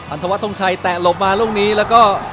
อันถวัฒน์ทมชัยแตะหลบมาลูกนี้แล้วก็